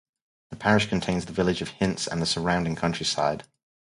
The parish contains the village of Hints and the surrounding countryside.